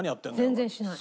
全然しない。